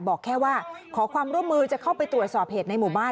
บอกแค่ว่าขอความร่วมมือจะเข้าไปตรวจสอบเหตุในหมู่บ้าน